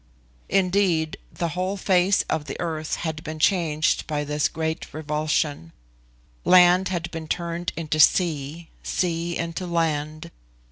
Indeed, the whole face of the earth had been changed by this great revulsion; land had been turned into sea sea into land.